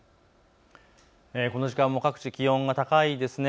この時間も各地、気温が高いですね。